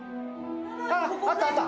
あ、あった、あった！